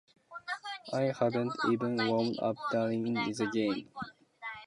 I hadn't even warmed-up during the game.